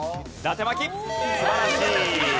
素晴らしい！